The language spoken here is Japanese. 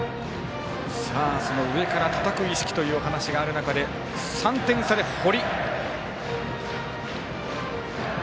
その上からたたく意識というお話がある中で３点差で堀。